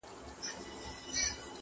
• ما لیدې چي به په توره شپه کي راسې -